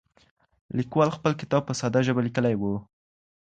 لیکوال خپل کتاب په ساده ژبه لیکلی و.